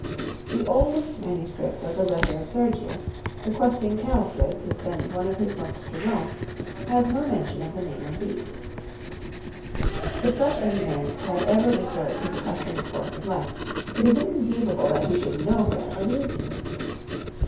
The oldest MS. of the letter of Sergius, requesting Ceolfrid to send one of his monks to Rome, has no mention of the name of Bede. If such an event had ever disturbed his accustomed course of life, it is inconceivable that he should nowhere allude to it.